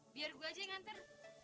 biar gue aja yang nganter